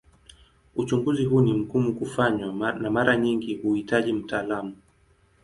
Uchunguzi huu ni mgumu kufanywa na mara nyingi huhitaji mtaalamu.